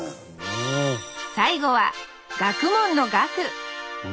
最後は学問の「学」！